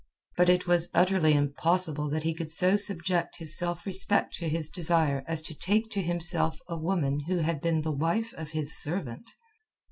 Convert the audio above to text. But it was utterly impossible that he could so subject his self respect to his desire as to take to himself a woman who had been the wife of his servant.